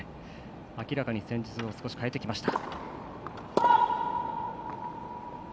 明らかに戦術を少し変えてきました。